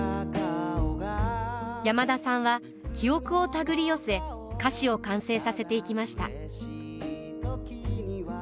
山田さんは記憶を手繰り寄せ歌詞を完成させていきました。